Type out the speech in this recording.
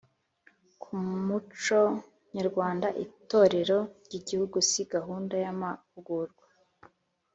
ku muco nyarwanda itorero ry’igihugu si gahunda y’amahugurwa